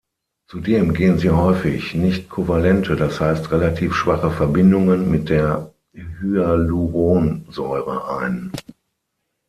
Zudem gehen sie häufig nicht-kovalente, das heißt relativ schwache Verbindungen mit der Hyaluronsäure ein.